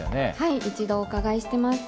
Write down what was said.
一度お伺いしています。